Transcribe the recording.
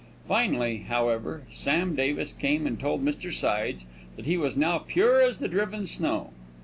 Finally, however, Sam Davis came and told Mr. Sides that he was now pure as the driven snow.